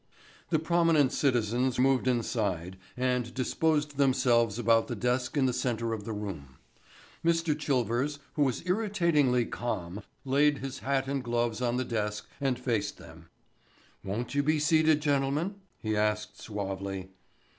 The prominent citizens moved inside and disposed themselves about the desk in the centre of the room. Mr. Chilvers, who was irritatingly calm, laid his hat and gloves on the desk and faced them. "Won't you be seated, gentlemen?" he asked suavely.